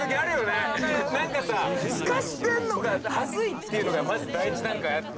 なんかさスカしてるのが恥ずいっていうのがまず第一段階あって。